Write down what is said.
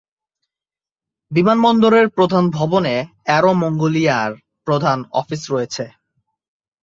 বিমানবন্দরের প্রধান ভবনে অ্যারো মঙ্গোলিয়ার প্রধান অফিস রয়েছে।